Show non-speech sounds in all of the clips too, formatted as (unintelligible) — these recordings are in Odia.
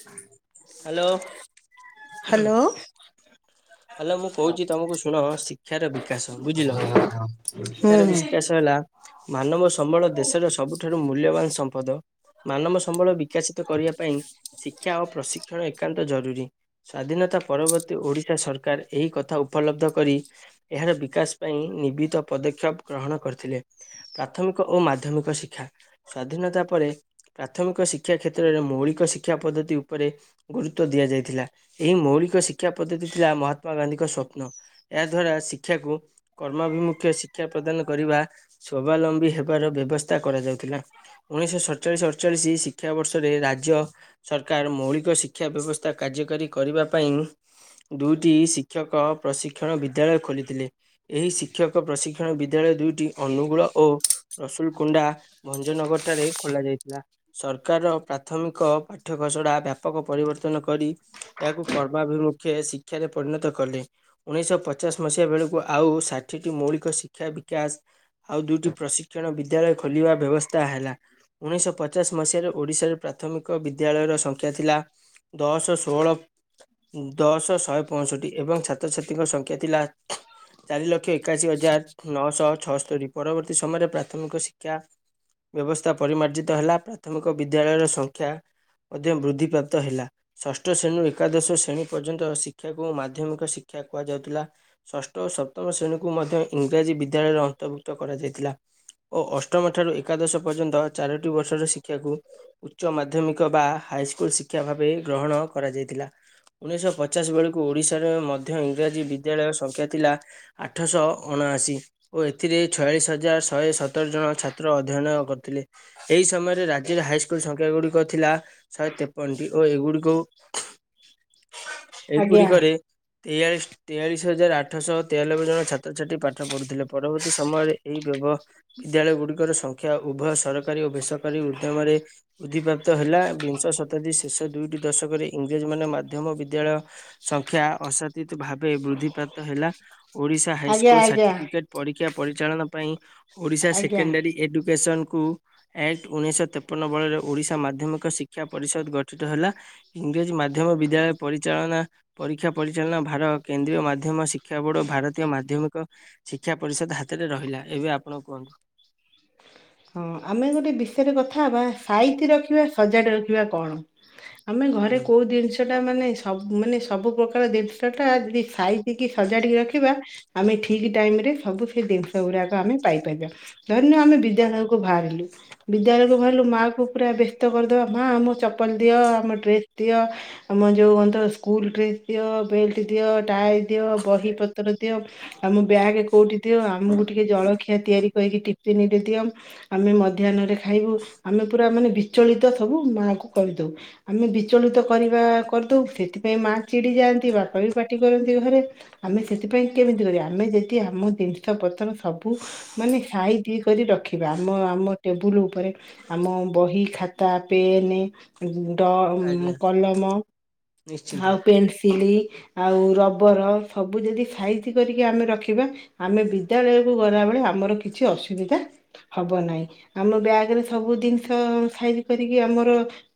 ହୁଁ (inaudible) ହ୍ୟାଲୋ। ହ୍ୟାଲୋ ମୁଁ କହୁଛି ତମକୁ ଶୁଣ ଶିକ୍ଷାର ବିକାଶ ବୁଝିଲ ହୁଁ ଶିକ୍ଷାର ବିକାଶ ହେଲା ମାନବ ସମ୍ବଳ ଦେଶର ସବୁଠାରୁ ମୂଲ୍ୟବାନ ସମ୍ପଦ। ମାନବ ସମ୍ବଳ ବିକାଶିତ କରିବା ପାଇଁ ଶିକ୍ଷା ଓ ପ୍ରଶିକ୍ଷଣ ଏକାନ୍ତ ଜରୁରୀ। ସ୍ଵାଧୀନତା ପରବର୍ତ୍ତୀ ଓଡ଼ିଶା ସରକାର ଏହି କଥା ଉପଲବ୍ଧ କରି ଏହାର ବିକାଶ ପାଇଁ ନିବିଦ ପଦକ୍ଷେପ ଗ୍ରହଣ କରିଥିଲେ। ପ୍ରାଥମିକ ଓ ମାଧ୍ୟମିକ ଶିକ୍ଷା। ସ୍ଵାଧୀନତା ପରେ ପ୍ରାଥମିକ ଶିକ୍ଷା କ୍ଷେତ୍ରରେ ମୌଳିକ ଶିକ୍ଷା ପଦ୍ଧତି ଉପରେ ଗୁରୁତ୍ୱ ଦିଆଯାଇଥିଲା ଏହି ମୌଳିକ ଶିକ୍ଷା ପଦ୍ଧତି ଥିଲା ମହାତ୍ମା ଗାନ୍ଧୀଙ୍କ ସ୍ଵପ୍ନ। ଏହା ଦ୍ଵାରା ଶିକ୍ଷାକୁ କର୍ମାଭିମୁଖ୍ୟ ଶିକ୍ଷା ପ୍ରଦାନ କରିବା ସ୍ଵାବଲମ୍ବୀ ହେବାର ବ୍ୟବସ୍ଥା କରାଯାଉଥିଲା। ଉଣେଇଶହ ସତଚାଳିଶ ଅଠଚାଳିଶ ଶିକ୍ଷାବର୍ଷରେ ରାଜ୍ୟ ସରକାର ମୌଳିକ ଶିକ୍ଷା ବ୍ୟବସ୍ଥା କାର୍ଯ୍ୟକାରୀ କରିବା ପାଇଁ ଦୁଇ ଟି ଶିକ୍ଷକ ପ୍ରଶିକ୍ଷଣ ବିଦ୍ୟାଳୟ ଖୋଲିଥିଲେ ଏହି ଶିକ୍ଷକ ପ୍ରଶିକ୍ଷଣ ବିଦ୍ୟାଳୟ ଦୁଇଟି ଟି ଅନୁଗୁଳ ଓ ରସୁଲ କୁଣ୍ଡା ଭଞ୍ଜନଗର ଠାରେ ଖୋଲା ଯାଇଥିଲା। ସରକାର ପ୍ରାଥମିକ ପାଠ୍ୟଘସଡ଼ା ବ୍ୟାପକ ପରିବର୍ତ୍ତନ କରି ଏହାକୁ କର୍ମାଭିମୁଖେ ଶିକ୍ଷାରେ ପରିଣତ କଲେ। ଉଣେଇଶଶହ ପଚାଶ ମସିହା ବେଳକୁ ଆଉ ଷାଠିଏଟି ମୌଳିକ ଶିକ୍ଷା ବିକାଶ ଆଉ ଦୁଇଟି ପ୍ରଶିକ୍ଷଣ ବିଦ୍ୟାଳୟ ଖୋଲିବା ବ୍ୟବସ୍ଥା ହେଲା। ଉଣେଇଶହ ପଚାଶ ମସିହାରେ ଓଡ଼ିଶାରେ ପ୍ରାଥମିକ ବିଦ୍ୟାଳୟର ସଂଖ୍ୟା ଥିଲା ଦଶ, ଷୋହଳ ଦଶ ଶହେ ପଅଷଠି ଏବଂ ଛାତ୍ରଛାତ୍ରୀଙ୍କ ସଂଖ୍ୟା ଥିଲା ଚାର ଲକ୍ଷ ଏକାଅଶୀ ହଜାର ନଅଶହ ଛଅସ୍ତରୀ ପରବର୍ତ୍ତୀ ସମୟରେ ପ୍ରାଥମିକ ଶିକ୍ଷା ବ୍ୟବସ୍ଥା ପରିମାର୍ଜିତ ହେଲା ପ୍ରାଥମିକ ବିଦ୍ୟାଳୟର ସଂଖ୍ୟା ମଧ୍ୟ ବୃଦ୍ଧିପାପ୍ତ ହେଲା। ଷଷ୍ଠ ଶ୍ରେଣୀରୁ ଏକାଦଶ ଶ୍ରେଣୀ ପର୍ଯ୍ୟନ୍ତ ଶି ଶିକ୍ଷାକୁ ମାଧ୍ୟମିକ ଶିକ୍ଷା କୁହାଯାଉଥିଲା। ଷଷ୍ଠ ଓ ସପ୍ତମ ଶ୍ରେଣୀକୁ ମଧ୍ୟ ଇଂରାଜୀ ବିଦ୍ୟାଳୟରେ ଅନ୍ତର୍ଭୁକ୍ତ କରାଯାଇଥିଲା। ଓ ଅଷ୍ଟମ ଠାରୁ ଏକାଦଶ ପର୍ଯ୍ୟନ୍ତ ଚାରୋଟି ବର୍ଷର ଶିକ୍ଷାକୁ ଉଚ୍ଚ ମାଧ୍ୟମିକ ବା ହାଇସ୍କୁଲ ଶିକ୍ଷା ଭାବେ ଗ୍ରହଣ କରାଯାଇଥିଲା। ଉଣେଇଶହ ପଚାଶ ବେଳକୁ ଓଡିଶାରେ ମଧ୍ୟ ଇଂରାଜୀ ବିଦ୍ୟାଳୟ ସଂଖ୍ୟା ଥିଲା ଆଠଶହ ଅଣାଅଶୀ। ଓ ଏଥିରେ ଛୟାଳିଶ ହଜାର ଶହେ ସତର ଜଣ ଛାତ୍ର ଅଧ୍ୟୟନ କରିଥିଲେ। ଏହି ସମୟରେ ରାଜ୍ୟର ହାଇସ୍କୁଲ ସଂଖ୍ୟା ଗୁଡିକ ଥିଲା ଶହେ ତେପନଟି ଓ ଏଗୁଡିକୁ ଆଜ୍ଞା ଏଇଗୁଡିକରେ ତେୟାଳିଶ ତେୟାଳିଶ ହଜାର ଆଠଶହ ତେୟାନବେ ଜଣ ଛାତ୍ରଛାତ୍ରୀ ପାଠ ପଢ଼ୁଥିଲେ ପରବର୍ତ୍ତୀ ସମୟରେ ଏହି ବ୍ୟବ ବିଦ୍ୟାଳୟ ଗୁଡିକର ସଂଖ୍ୟା ଉଭୟ ସରକାରୀ ଓ ବେସରକାରୀ ଉଦ୍ୟମରେ ବୁଦ୍ଧିପାପ୍ତ ହେଲା ବିଂଶ ଶତାବ୍ଦୀ ଶେଷ ଦୁଇଟି ଦଶକରେ ଇଂରେଜୀ ମାନେ ମାଧ୍ୟମ ବିଦ୍ୟାଳୟ ସଂଖ୍ୟା ଅସାତିିତ ଭାବେ ବୃଦ୍ଧିପାପ୍ତ ହେଲା ଓଡ଼ିଶା ଆଜ୍ଞା ହାଇସ୍କୁଲ ଆଜ୍ଞା ସାର୍ଟିଫିକେଟ୍ ପରୀକ୍ଷା ପରିଚାଳନା ପାଇଁ ଓଡ଼ିଶା ଆଜ୍ଞା ସେକେଣ୍ଡାରୀ ଏଡ଼ୁକେସନ୍କୁ ଆକ୍ଟ ଉଣେଇଶହ ତେପନ ବେଳରେ ଓଡ଼ିଶା ମାଧ୍ୟମିକ ଶିକ୍ଷା ପରିଷଦ ଗଠିତ ହେଲା। ଇଂରାଜୀ ମାଧ୍ୟମ ବିଦ୍ୟାଳୟ ପରିଚାଳନା ପରୀକ୍ଷା ପରିଚାଳନା ଭାର କେନ୍ଦ୍ରୀୟ ମାଧ୍ୟମ ଶିକ୍ଷା ବୋର୍ଡ ଭାରତୀୟ ମାଧ୍ୟମିକ ଶିକ୍ଷା ପରିଷଦ ହାତରେ ରହିଲା ଏବେ ଆପଣ କୁହନ୍ତୁ? ହଁ ଆମେ ଗୋଟେ ବିଷୟରେ କଥା ହବା ସାଇତି ରଖିବା ସଜାଡ଼ି ରଖିବା କଣ? ଆମେ ଘରେ ହୁଁ କୋଉ ଦିନିଷ ଷଟା ମାନେ ସବୁ ମାନେ ସବୁ ପ୍ରକାର ଜିନିଷଟା ଯଦି ସାଇତିକି ସଜାଡ଼ିକି ରଖିବା ଆମେ ଠିକ୍ ଟାଇମ ରେ ସବୁ ସେ ଜିନିଷ ଗୁଡ଼ାକ ଆମେ ପାଇପାରିବା ଧନ୍ୟ ଆମେ ବିଦ୍ୟାଳୟ କୁ ବାହାରିଲି ବିଦ୍ୟାଳୟକୁ ବାହାରିଲୁ ମାଆକୁ ପୁରା ବ୍ୟସ୍ତ କରିଦେବା ମାଆ ମୋ ଚପଲ ଦିଅ, ଆମ ଡ୍ରେସ୍ ଦିଅ ଆମର ଯୋଉ ଅତ ସ୍କୁଲ ଡ୍ରେସ୍ ଦିଅ, ବେଲ୍ଟ ଦିଅ, ଟାଏ ଦିଅ ବହି ପତ୍ର ଦିଅ, ଆମ ବ୍ୟାଗ କୋଉଠି ଦିଅ, ଆମକୁ ଟିକେ ଜଳଖିଆ ତିଆରି କରିକି ଟିଫିନ୍ ରେ ଦିଅ ଆମେ ମଧ୍ୟାହ୍ନରେ ଖାଇବୁ ଆମେ ପୁରା ମାନେ ବିଚଳିତ ସବୁ ମାଆ କୁ କହିଦଉ। ଆମେ ବିଚଳିତ କରିବା କରିଦଉ ସେଥିପାଇଁ ମା ଚିଡି ଯାଆନ୍ତି ବାପା ବି ପାଟି କରନ୍ତି ଘରେ। ଆମେ ସେଥିପାଇଁ କେମିତି କରିବା ଆମେ ଯଦି ଆମ ଜିନିଷ ପତର ସବୁ ମାନେ ସାଇତି କରି ରଖିବା। ମୋ ଆମ ଟେବୁଲ ଉପରେ ଆମ ବହି, ଖାତା, ପେନ୍ ଡ ଆଜ୍ଞା କଲମ ନିଶ୍ଚିନ୍ତ ଆଉ ପେନସିଲ ଆଉ ରବର ସବୁ ଯଦି ସାଇଜି କରିକି ଆମେ ରଖିବା। ଆମେ ବିଦ୍ୟାଳୟକୁ ଗଲାବେଳେ ଆମର କିଛି ଅସୁବିଧା ହବ ନାହିଁ ଆମ ବ୍ୟାଗରେ ସବୁ ଜିନିଷ ସାଇଜି କରିକି ଆମର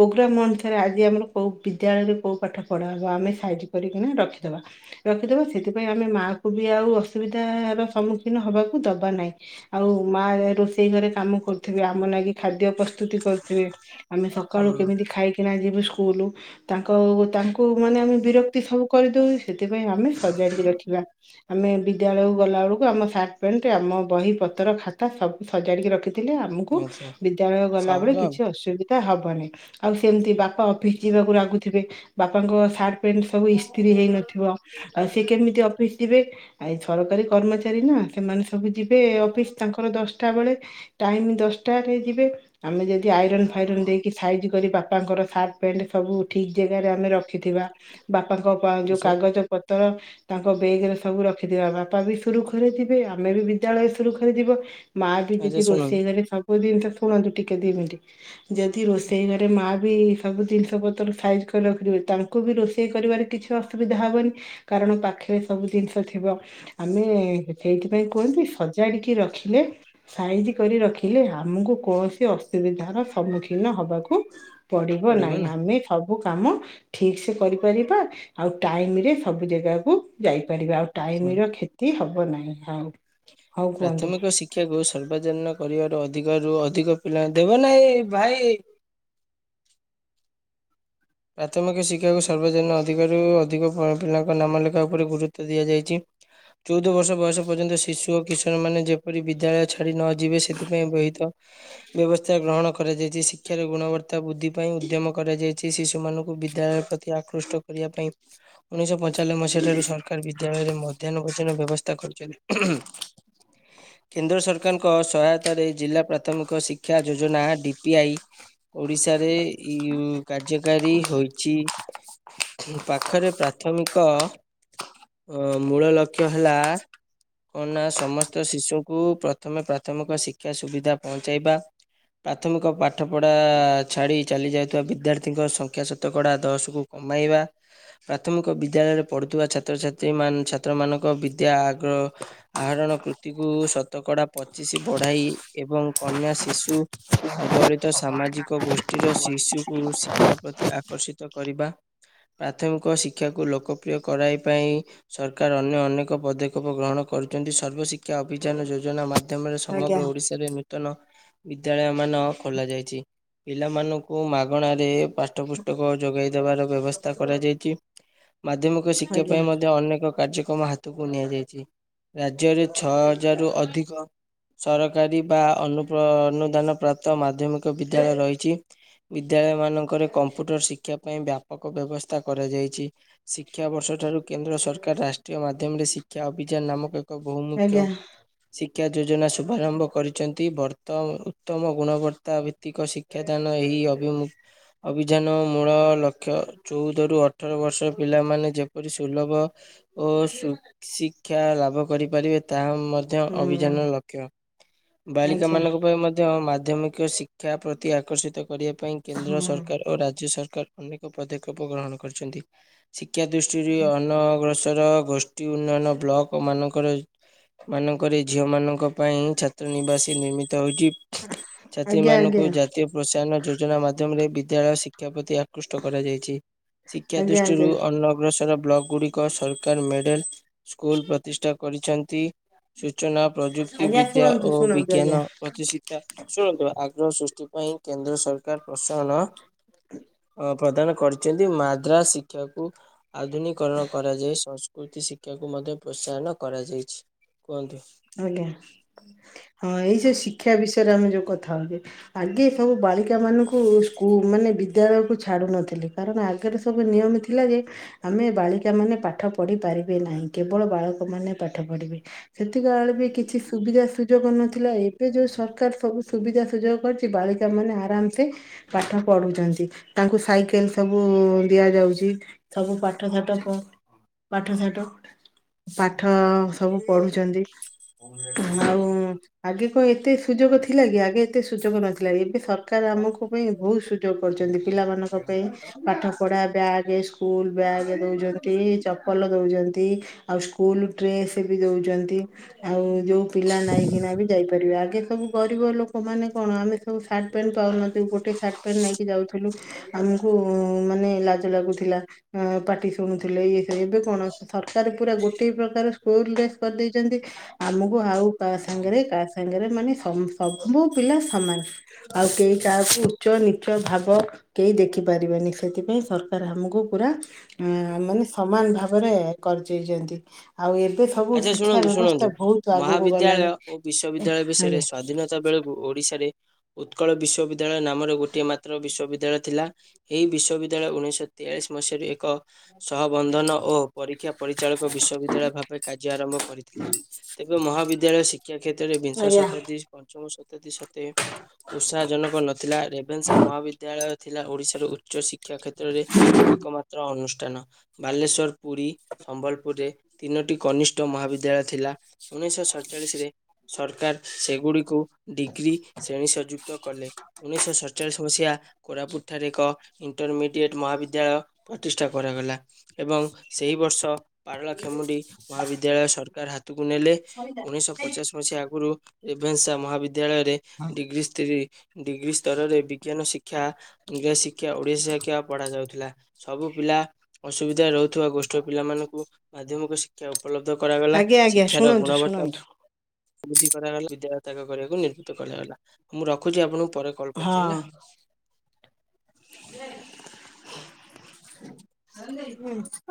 ପ୍ରୋଗ୍ରାମ ଅନୁସାରେ ଆଜି ଆମର କୋଉ ବିଦ୍ୟାଳୟରେ କୋଉ ପାଠ ପଢା ହବା ଆମେ ସାଇଜି କରିକିନା ରଖିଦବା। ରଖିଦବା ସେଥିପାଇଁ ଆମେ ମା କୁ ବି ଆଉ ଅସୁବିଧାର ସମ୍ମୁଖୀନ ହବାକୁ ଦବା ନାହିଁ। ଆଉ ମା ଏ ରୋ ରେଷେଇ ଘରେ କାମ କରୁଥିବେ। ଆମ ଲାଗି ଖାଦ୍ୟ ପ୍ରସ୍ତୁତି କରୁଥିବେ। ଆମେ ହୁଁ ସକାଳୁ କେମିତି ଖାଇ କିନା ଯିବୁ ସ୍କୁଲ। ତାଙ୍କ ତାଙ୍କୁ ମାନେ ଆମେ ବିରକ୍ତି ସବୁ କରିଦଉ ସେଥିପାଇଁ ଆମେ ସଜାଡିକି ରଖିବା। ଆମେ ବିଦ୍ୟାଳୟକୁ ଗଲା ବେଳକୁ ଆମ ସାର୍ଟ ପେଣ୍ଟ ଆମ ବହି ପତର ଖାତା ସବୁ ସଜାଡିକି ରଖିଥିଲେ ଆମକୁ ଆଚ୍ଛା ବିଦ୍ୟାଳୟ ସହଜ ଗଲାବେଳେ ଆଉ କିଛି ଅସୁବି ଧା ହବନି ଆଉ ସେମିତି ବାପା ଅଫିସ୍ ଯିବାକୁ ରାଗୁଥିବେ ବାପାଙ୍କ ସାର୍ଟ ପେଣ୍ଟ ସବୁ ଇସ୍ତ୍ରୀ ହେଇ ନଥିବ ଆଉ ସେ କେମିତି ଅଫିସ ଯିବେ। ଆ ଏଇ ଛରକାରୀ କର୍ମଚାରୀ ନା ସେମାନେ ସବୁ ଯିବେ ଅଫିସ ତାଙ୍କର ଦଶ ଟା ବେଳେ ଟାଇମ୍ ଦଶଟାରେ ଯିବେ। ଆମେ ଯଦି ଆଇରନ୍ ଫାଇରନ୍ ଦେଇକି ସାଇଜି କରିବା ବାପାଙ୍କର ସାର୍ଟ ପେଣ୍ଟ ସବୁ ଠିକ୍ ଜାଗାରେ ଆମେ ରଖିଥିବା ବାପାଙ୍କ ପା ଯୋଉ କାଗଜ ପ ତର ତାଙ୍କ ବେଗରେ ସବୁ ରଖିଥିବା ବାପା ବି ସୁରୁଖୁରୁରେ ଯିବେ ଆମେ ବି ବିଦ୍ୟାଳୟ ସୁରୁଖୁରେ ଯିବ। ମା ବି ଆଚ୍ଛା ଯଦି ଶୁଣନ୍ତୁ ରୋଷେଇ ଘରେ ସବୁ ଜିନଷ ଥୁଅନ୍ତି ଟିକେ ଦି ମିନିଟ୍ ଯଦି ରୋଷେଇ ଘ ରେ ମାଆ ବି ସବୁ ଜିନିଷ ପତର ସାଇଜି କରି ରଖିିଥିବେ ତାଙ୍କୁ ବି ରୋଷେଇ କରିବାରେ କିଛି ଅସୁବିଧା ହବନି। କାରଣ ପାଖରେ ସବୁ ଜିନିଷ ଥିବ। ଆମେ ହେ ସେଇଥିପାଇଁ କୁହନ୍ତି ସଜାଡିକି ରଖିଲେ ସାଇଜି କରି ରଖିଲେ ଆମକୁ କୌଣସି ଅସୁବିଧାର ସମ୍ମୁଖୀନ ହବାକୁ ଉଁ ପଡିବ ପଢିବ ନାହିଁ ନା ଆମେ ସବୁ କାମ ଠିକ୍ ସେ କରିପାରିବା ଆଉ ଟାଇମରେ ସବୁ ଜାଗାକୁ ଯାଇପାରିବା ଆଉ। ଶୁଣ ଟାଇମିର କ୍ଷତି ହବ ନାହିଁ ଆଉ। ହଉ କୁହନ୍ତୁ। ପ୍ରାଥମିକ ଶିକ୍ଷାକୁ ସର୍ବଜନୀନ କରିବାର ଅଧିକରୁ ଅଧିକ ପିଲା ଦେବା ନାହିଁ ଭାଇ ପ୍ରାଥମିକ ଶିକ୍ଷାକୁ ସର୍ବଜନୀନ ଅଧିକରୁ ଅଧିକ ଫର୍ମ ପିଲାଙ୍କ ନାମ ଲେଖା ଉପରେ ଗୁରୁତ୍ୱ ଦିଆଯାଇଚି। ଚଉଦ ବର୍ଷ ବୟସ ପର୍ଯ୍ୟନ୍ତ ଶିଶୁ ଓ କିଶୋର ମାନେ ଯେପରି ବିଦ୍ୟାଳୟ ଛାଡି ନ ଯିବେ ସେଥିପାଇଁ ବ୍ୟହିତ ବ୍ୟବସ୍ଥା ଗ୍ରହଣ କରାଯାଇଚି। ଶିକ୍ଷାର ଗୁଣବତ୍ତା ବୃଦ୍ଧି ପାଇଁ ଉଦ୍ୟମ କରାଯାଇଚି। ଶି ଷୁ ମାନଙ୍କୁ ବିଦ୍ୟାଳୟ ପ୍ରତି ଆକୃଷ୍ଟ କରିବା ପାଇଁ ଉଣେଇଶହ ପଞ୍ଚାଲବେ ମସିହା ଠାରୁ ସରକାର ବିଦ୍ୟାଳୟରେ ମଧ୍ୟାହ୍ନ ଭୋଜନ ବ୍ୟବସ୍ଥା କରିଚନ୍ତି। (unintelligible) କେନ୍ଦ୍ର ସରକାରଙ୍କ ସହାୟତାରେ ଜିଲ୍ଲା ପ୍ରାଥମିକ ଶିକ୍ଷା ଯୋଜନା ଡି ପି ଆଇ ଓଡିଶାରେ ଇ ଉ କାର୍ଯ୍ୟ କାରି ହୋଇଚି ପାଖରେ ପ୍ରାଥମିକ ଅ ମୂଳ ଲକ୍ଷ୍ୟ ହେଲା। କଣ ନା ସମସ୍ତ ଶିଶୁକୁ ପ୍ରଥମେ ପ୍ରାଥମିକ ଶିକ୍ଷା ସୁବିଧା ପହଞ୍ଚାଇବା। ପ୍ରାଥମିକ ପାଠପଢା ଛାଡି ଚାଲି ଯାଉଥିବା ବିଦ୍ୟା (unintelligible) ସଂଖ୍ୟା ଶତକଡ଼ା ଦଶକୁ କମାଇବା ପ୍ରାଥମିକ ବିଦ୍ୟାଳୟରେ ପଢୁଥିବା ଛାତ୍ରଛାତ୍ରୀ ମାନ୍ ଛାତ୍ରମାନଙ୍କ ବିଦ୍ୟା ଆଗ୍ରହ ଆହରଣ କୃତିକୁ ଶତକଡ଼ା ପଚିଶି ବଢାଇ ଏବଂ କନ୍ୟା ଶିଶୁ ଅବହଳିତ ସାମାଜିକ ଗୋଷ୍ଠୀର ଶିଶୁକୁ ଶିକ୍ଷା ପ୍ରତି ଆକର୍ଷିତ କରିବା। ପ୍ରାଥମିକ ଶିକ୍ଷାକୁ ଲୋକପ୍ରିୟ କରାଇବା ପାଇଁ ସରକାର ଅନ୍ୟ ଅନେକ ପଦକ୍ଷେପ ଗ୍ରହଣ କରୁଛନ୍ତି ସର୍ବଶିକ୍ଷା ଅଭିଯାନ ଯୋଜନା ମା ମାଧ୍ୟମରେ ଆଜ୍ଞା ସମଗ୍ର ଓଡିଶାରେ ନୂତନ ବିଦ୍ୟାଳୟ ମାନ ଖୋଲା ଯାଇଛି। ପିଲାମାନଙ୍କୁ ମାଗଣା ରେ ପାଠ୍ୟ ପୁସ୍ତକ ଯୋଗାଇ ଦେବାର ବ୍ୟବସ୍ଥା କରାଯାଇଛି। ମାଧ୍ୟମିକ ଶିକ୍ଷା ଆଜ୍ଞା ପାଇଁ ମଧ୍ୟ ଅନେକ କାର୍ଯ୍ୟକ୍ରମ ହାତକୁ ନିଆଯାଇଛି ରାଜ୍ୟରେ ଛଅ ହଜାରରୁୁ ଅଧିକ ସରକାରୀ ବା ଅନୁପ୍ର ଅନୁଦାନ ପ୍ରାପ୍ ତ ମାଧ୍ୟମିକ ବିଦ୍ୟାଳୟ ରହିଛି ବିଦ୍ୟାଳୟ ମାନଙ୍କରେ କମ୍ପ୍ୟୁଟର ଶିକ୍ଷା ପାଇଁ ବ୍ୟାପକ ବ୍ୟବସ୍ଥା କରାଯାଇଛି, ଶିକ୍ଷାାବର୍ଷ ଠାରୁ କେନ୍ଦ୍ର ସରକାର ରାଷ୍ଟ୍ରୀୟ ମା ମାଧ୍ୟମରେ ଶିକ୍ଷା ଅଭିଯାନ ନାମକ ଏକ ବହୁମୁଖ୍ୟ ଆଜ୍ଞା ଶିକ୍ଷା ଯୋଜନା ଶୁଭାରମ୍ଭ କରିଛନ୍ତି ବର୍ତ୍ତ ଉତ୍ତମ ଗୁଣବତ୍ତା ଭି ଭୌତିକ ଶିକ୍ଷାଦାନ ଏହି ଅଭିମୁ ଅଭିଯାନ ମୂଳ ଲକ୍ଷ ଚଉଦ ରୁ ଅଠର ବର୍ଷ ପିଲାମାନେ ଯେପରି ସୁଲଭ ଓ ସୁ ଶିକ୍ଷା ଲାଭ କରିପାରିବେ ତାହା ମ ମଧ୍ୟ ହୁଁ ଅଭିଯାନ ଲକ୍ଷ୍ୟ ବାଳିକା ଆଚ୍ଛା ମାନଙ୍କ ପାଇଁ ମଧ୍ୟ ମଧ୍ୟ ମାଧ୍ୟମିକ ଶିକ୍ଷା ପ୍ରତି ଆକର୍ଷିତ କରିବା ପାଇଁ କେନ୍ଦ୍ର ହଁ ସରକାର ଓ ରାଜ୍ୟ ସରକାର ଅନେକ ପଦକ୍ଷେପ ଗ୍ରହଣ କରିଛନ୍ତି। ଶିକ୍ଷା ଦୃଷ୍ଟିରୁ ଅନଗ୍ରସର ଗୋଷ୍ଠୀ ଉନ୍ନୟନ ବ୍ଲକ ମାନଙ୍କର ମାନଙ୍କରେ ଝିଅ ମାନଙ୍କ ପାଇଁ ଛାତ୍ର ନିବାସୀ ନିର୍ମିତ ହୋଇଛି। ଆଜ୍ଞା ଆଜ୍ଞା ଛାତ୍ରୀମାନଙ୍କୁ ଜାତୀୟ ପ୍ରୋତ୍ସାହନ ଯୋଜନା ମାଧ୍ୟମରେ ବିଦ୍ୟାଳୟ ଶିକ୍ଷା ପ୍ରତି ଆ କୃଷ୍ଟ କରାଯାଇଛି ଶିକ୍ଷା ଆଜ୍ଞା ଆଜ୍ଞା ଦୃଷ୍ଟିରୁ ଅନ ଅଗ୍ରସର ବ୍ଲକ ଗୁଡ଼ି କ ସରକାର ମେଡେଲ ସ୍କୁଲ ପ୍ରତିଷ୍ଠା କରିଛନ୍ତି ସୂଚନା ପ୍ରଯୁକ୍ତି ଆଜ୍ଞା ବିଦ୍ୟା ଶୁଣନ୍ତୁ ଓ ଶୁଣନ୍ତୁ ଆଜ୍ଞା ବିଜ୍ଞାନ ପ୍ରତିଷ୍ଠା ଶୁଣନ୍ତୁ ଆଗ୍ରହ ସୃଷ୍ଟି ପାଇଁ କେନ୍ଦ୍ର ସରକାର ପ୍ରୋତ୍ସାହନ ଅ ପ୍ରଦାନ କରିଛନ୍ତି ମାଦ୍ରା ଶିକ୍ଷାକୁ ଆଧୁନିକରଣ କରାଯାଏ ସଂସ୍କୃତି ଶିକ୍ଷ ଶିକ୍ଷାକୁ ମଧ୍ୟ ପ୍ରୋତ୍ସାହନ କରାଯାଇଛି କୁହନ୍ତୁ? ଆଜ୍ଞା ହଁ ଏଇ ଯୋଉ ଶିକ୍ଷା ବିଷୟରେ ଆମେ ଯୋଉ କଥା ହଉଛେ। ଆଗେ ସବୁ ବାଳିକା ମାନଙ୍କୁ ସ୍କୁଲ ମାନେ ବିଦ୍ୟାଳୟକୁ ଛାଡୁ ନଥିଲି କାରଣ ଆଗରେ ସବୁ ନିୟମ ଥିଲା ଯେ ଆମେ ବାଳିକା ମାନେ ପାଠ ପଢି ପାରିବେ ନାହିଁ କେବଳ ବାଳକ ମାନେ ପାଠ ପଢିବେ ସେତିକାବେଳେ ବି କିଛି ସୁବିଧା ସୁଯୋଗ ନଥିଲା ଏବେ ଯୋଉ ସରକାର ସବୁ ସୁବିଧା ସୁଯୋଗ କରିଛି ବାଳିକା ମାନେ ଆରାମସେ ପାଠ ପଢୁଛନ୍ତି ତାଙ୍କୁ ସାଇକେଲ୍ ସବୁ ଦିଆଯାଉଛି। ସବୁ ପାଠ ଶାଠ କ ପାଠ ଶାଠ ପାଠ ସବୁ ପଢୁଛନ୍ତି। ଆଉ ଆଗେ କଣ ଏତେ ସୁଯୋଗ ଥିଲା ଆଗେ ଏତେ ସୁଯୋଗ ନଥିଲା ଏବେ ସ ସରକାର ଆମକୁ ବି ବହୁତ୍ ସୁଯୋଗ କରିଛନ୍ତି ପିଲାମାନଙ୍କ ପାଇଁ ପାଠ ପଢା ବ୍ୟାଗ୍ ସ୍କୁଲ ବ୍ୟାଗ୍ ଦଉଛନ୍ତି ଚପଲ ଦଉଛନ୍ତି। ଆଉ ସ୍କୁଲ ଡ୍ରେସ ବି ଦଉଛନ୍ତି। ଆଉ ଯୋଉ ପିଲା ନାଇଁ କିିନା ବି ଯାଇପାରିବେ ଆଗେ ସବୁ ଗରିବ ଲୋକ ତମ ମାନେ କଣ? ଆମେ ସବୁ ସାର୍ଟ ପ୍ୟାଣ୍ଟ ପାଉନଥିଲୁ। ଗୋଟେ ସାର୍ଟ ପ୍ୟାଣ୍ଟ ନେଇକି ଯାଉଥିଲୁ। ଆମକୁ ମାନେ ଲାଜ ଲାଗୁଥିଲା। ପାଟି ଶୁଣୁଥିଲେ ଇଏ ଏବେ କଣ ସରକାର ପୁରା ଗୋଟେ ପ୍ରକାର ସ୍କୁଲ ଡ୍ରେସ୍ କରିଦେଇଛନ୍ତି ଆମକୁ ଆଉ କା ସାଙ୍ଗରେ କା ସାଙ୍ଗରେ ମାନେ ସବୁ ପିଲା ସମାନ। ଆଉ କେହି କାହାକୁ ଉଚ୍ଚ ନି ଉଚ ଭାବ କେହି ଦେଖି ପାରିବେନି। ସେଥିପାଇଁ ସରକାର ଆମକୁ ପୁରା ଆ ମାନେ ସମାନ ଭାବରେ କରିଚେଇଛନ୍ତି। ଆଉ ଏବେ ସବୁ ଆଚ୍ଛା ଶିକ୍ଷା ଶୁଣନ୍ତୁ ବ୍ୟବସ୍ଥା ଶୁଣନ୍ତୁ ବହୁତ ଆଗକୁ ମହାବିଦ୍ୟାଳୟ ଗଲାଣି ଓ ବିଶ୍ବବିଦ୍ୟାଳୟ ବିଷୟରେ ଆଜ୍ଞା ସ୍ଵାଧୀନତା ବେଳକୁ ଓଡିଶାରେ ଉତ୍କଳ ବିଶ୍ୱବିଦ୍ୟାଳୟ ନାମରେ ଗୋଟିଏ ମାତ୍ର ବିଶ୍ୱବିଦ୍ୟାଳୟ ଥିଲା। ଏଇ ବିଶ୍ୱବିଦ୍ୟାଳୟ ଉଣେଇଶହ ତେୟାଳିଶ ମସିହାରୁ ଏକ ସହ ବନ୍ଧନ ଓ ପରୀକ୍ଷା ପରିଚାଳକ ବିଶ୍ୱବିଦ୍ୟାଳୟ ଭା କାର୍ଯ୍ୟ ଆରମ୍ଭ କରିଥିଲା। ତେବେ ମହାବିଦ୍ୟାଳୟ ଶିକ୍ଷା କ୍ଷେତ୍ରରେ ବିଂଶ ଆଜ୍ଞା ଶତାବ୍ଦୀ ପଞ୍ଚମ ତ ସତେ ଉତ୍ସାଜନକ ନଥିଲା। ରେବେନ୍ସା ମହାବିଦ୍ୟାଳୟ ଥିଲା ଓଡିଶାରୁ ଉଚ୍ଚ ଶି ଶିକ୍ଷା କ୍ଷେତ୍ରରେ ଏକମାତ୍ର ଅନୁଷ୍ଠାନ। ବାଲେଶ୍ଵର, ପୁରୀ, ସମ୍ବଲପୁରରେ ତିନୋଟି କନିଷ୍ଠ ମହାବିଦ୍ୟାଳୟ ଥିଲା। ଉଣେଇଶହ ସତଚାଳିଶରେ ସରକାର ସେଗୁଡ଼ିକୁ ଡିଗ୍ରୀ ଶ୍ରେଣୀ ସଂଯୁକ୍ତ କଲେ। ଉଣେଇଶହ ସତଚାଳିଶ ମସିହା କୋରାପୁଟ ଠାରେ ଏକ ଇଣ୍ଟରମିଡିଏଟ ମହାବିଦ୍ୟାଳୟ ପ୍ରତିଷ୍ଠା କରାଗଲା ଏବଂ ସେହି ବର୍ଷ ପାରଳାଖେମୁଣ୍ଡି ମହାବିଦ୍ୟାଳୟ ସରକାର ହାତକୁ ନେଲେ। ଉଣେଇଶହ ପଚାଶ ମସିହା ଆଗରୁ ରେଭେନ୍ସା ମହାବିଦ୍ୟାଳୟ ରେ ଡିଗ୍ରୀ ସ୍ତ୍ରୀ ଡିଗ୍ରୀ ସ୍ତରରେ ବିଜ୍ଞାନ ଶିକ୍ଷା ଶିକ୍ଷା, ଓଡିଶା ଶିକ୍ଷା ପଢାଯାଉଥିଲା। ସବୁ ପିଲା ଅସୁବିଧା ରହୁଥିବା ଗୋଷ୍ଠୀ ଛ ପିଲାମାନଙ୍କୁ ମାଧ୍ୟମିକ ଶିକ୍ଷା ଉପଲବ୍ଧ କରାଗଲା। ଆଜ୍ଞା ଆଜ୍ଞା ଶିକ୍ଷାର ଶୁଣନ୍ତୁ ଗୁଣବତ୍ତା ଶୁଣନ୍ତୁ ବୃଦ୍ଧି କରାଗଲା। ବିଦ୍ୟାଳୟ ତ୍ୟାଗ କରିବାକୁ ନିର୍ଭୃତ କରାଗଲା। ମୁଁ ରଖୁଛି ଆପଣଙ୍କୁ ପରେ କଲ୍ କରୁଛି ହେଲା। ହୁଁ!